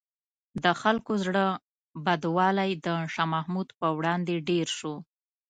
د خلکو زړه بدوالی د شاه محمود په وړاندې ډېر شو.